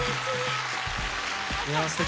すてき。